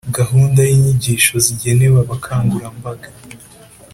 gahunda y’inyigisho zigenewe abakangurambaga